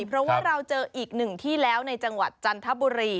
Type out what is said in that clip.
เพราะว่าเราเจออีกหนึ่งที่แล้วในจังหวัดจันทบุรี